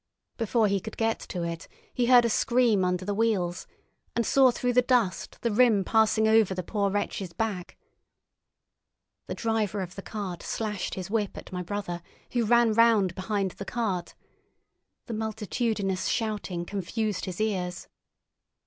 Before he could get to it, he heard a scream under the wheels, and saw through the dust the rim passing over the poor wretch's back. The driver of the cart slashed his whip at my brother, who ran round behind the cart. The multitudinous shouting confused his ears.